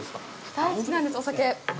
大好きなんです、お酒。